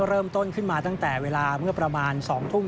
เริ่มต้นขึ้นมาตั้งแต่เวลาเมื่อประมาณ๒ทุ่ม